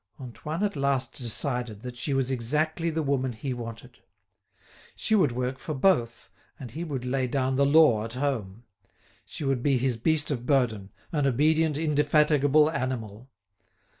Antoine at last decided that she was exactly the woman he wanted. She would work for both and he would lay down the law at home. She would be his beast of burden, an obedient, indefatigable animal.